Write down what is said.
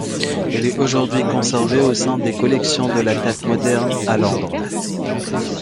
Elle est aujourd'hui conservée au sein des collections de la Tate Modern, à Londres.